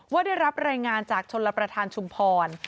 ได้รับรายงานจากชนรับประทานชุมพร